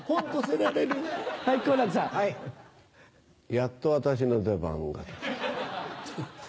やっと私の出番が来た。